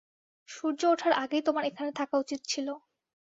সূর্য ওঠার আগেই তোমার এখানে থাকা উচিত ছিল।